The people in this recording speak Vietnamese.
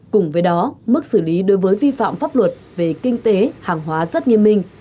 cùng với đó mức xử lý đối với vi phạm pháp luật về kinh tế hàng hóa rất nghiêm minh